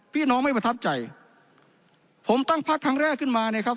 พี่น้องไม่ประทับใจผมตั้งพักครั้งแรกขึ้นมาเนี่ยครับ